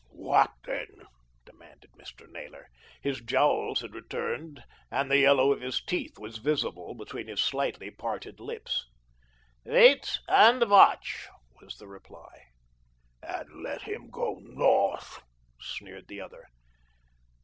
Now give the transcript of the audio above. "What then?" demanded Mr. Naylor. His jowls had returned and the yellow of his teeth was visible between his slightly parted lips. "Wait and watch," was the reply. "And let him go North," sneered the other.